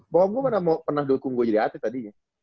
bahwa gue pernah dukung gue jadi atlet tadinya